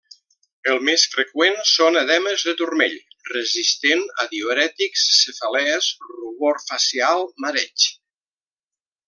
El més freqüent són edemes de turmell resistent a diürètics, cefalees, rubor facial, mareig.